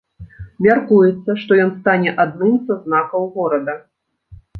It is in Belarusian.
Мяркуецца, што ён стане адным са знакаў горада.